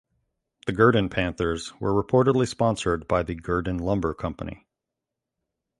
The Gurdon Panthers were reportedly sponsored by the Gurdon Lumber Company.